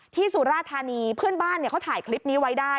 สุราธานีเพื่อนบ้านเขาถ่ายคลิปนี้ไว้ได้